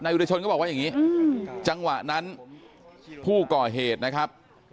วิทยาชนก็บอกว่าอย่างนี้จังหวะนั้นผู้ก่อเหตุนะครับ